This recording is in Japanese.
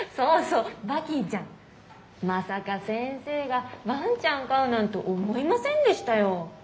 まさか先生がワンちゃん飼うなんて思いませんでしたよォ。